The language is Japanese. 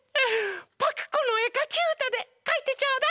パクこのえかきうたでかいてちょうだいフフフ！